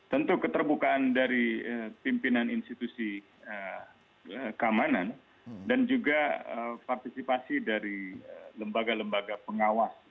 tentu keterbukaan dari pimpinan institusi keamanan dan juga partisipasi dari lembaga lembaga pengawas